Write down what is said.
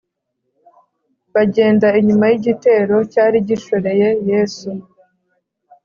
bagenda inyuma y’igitero cyari gishoreye yesu